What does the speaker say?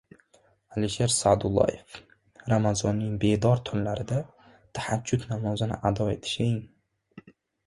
Alisher Sa’dullaev: “Ramazonning bedor tunlarida tahajjud namozini ado etishing...”